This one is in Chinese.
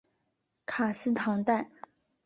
卡斯唐代。